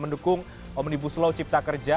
mendukung omnibus law cipta kerja